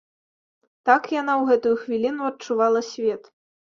Так яна ў гэтую хвіліну адчувала свет.